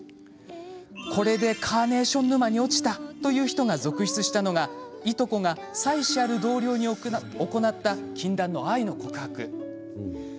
これで「カーネーション」沼に落ちたという人が続出したのが糸子が、妻子のある同僚に行った禁断の愛の告白。